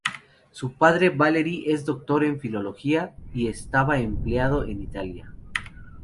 Su padre Valery es doctor en filología y estaba empleado en Italia.